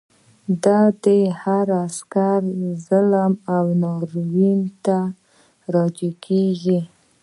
د ده د هر عسکر ظلم او ناروا ده ته راجع کېږي.